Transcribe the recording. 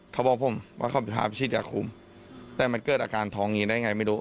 เขาบอกผมว่าเขาผิดภาพชิดอย่างคุมแต่มันเกิดอาการท้องหญิงได้ยังไงไม่รู้